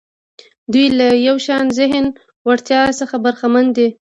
دوی له یو شان ذهني وړتیا څخه برخمن دي.